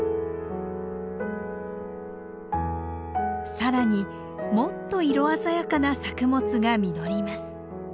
更にもっと色鮮やかな作物が実ります。